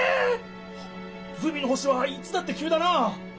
ズビの星はいつだってきゅうだな。